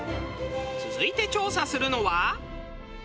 続いて調査するのは。